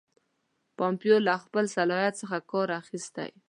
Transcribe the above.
پومپیو له خپل صلاحیت څخه کار اخیستی.